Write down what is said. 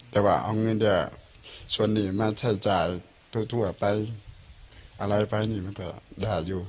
แต่ว่าเอามือนเงียดส่วนนี่ไม่ใช่จ่ายทั่วไปอะไรไปมันก็ได้อยู่